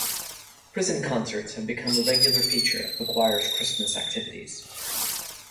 Prison concerts have become a regular feature of the choir's Christmas activities.